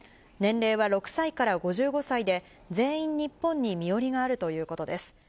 年齢は６歳から５５歳で、全員日本に身寄りがあるということです。